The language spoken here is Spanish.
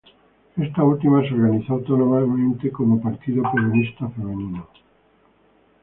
Esta última se organizó autónomamente como Partido Peronista Femenino.